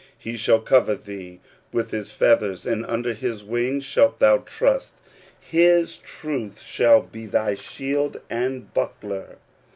He shall cover^ thee with his feathers, and under his wings shalt thou trust : his truth shall be thy shield and buckler.